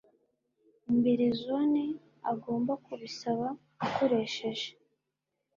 imbere Zone agomba kubisaba akoresheje